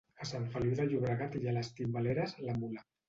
A Sant Feliu de Llobregat hi ha les Timbaleres La Mula